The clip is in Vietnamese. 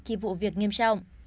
khi vụ việc nghiêm trọng